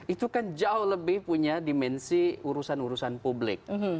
itu kan jauh lebih punya dimensi urusan urusan publik